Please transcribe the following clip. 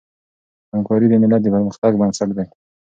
همکاري د ملت د پرمختګ بنسټ دی.